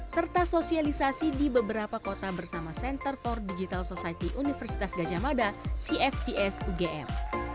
serta sosialisasi di beberapa kota bersama center for digital society universitas gajah mada cfts ugm